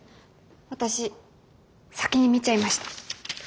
私先に見ちゃいました。